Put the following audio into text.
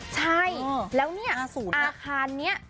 ใช่แล้วเนี้ยอาคารเนี้ย